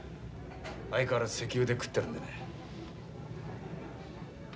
相変わらず石油で食ってるんでね。